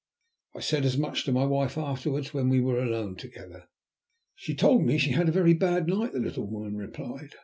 I said as much to my wife afterwards, when we were alone together. "She told me she had had a very bad night," the little woman replied.